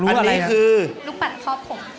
ลูกปัดข้อผม